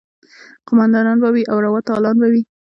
قوماندانان به وي او روا تالان به وي.